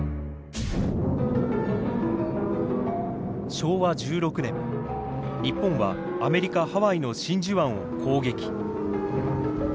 昭和１６年日本はアメリカ・ハワイの真珠湾を攻撃。